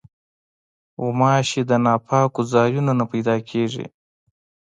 غوماشې د ناپاکو ځایونو نه پیدا کېږي.